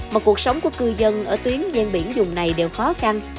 mà cuộc sống của cư dân ở tuyến gian biển dùng này đều khó khăn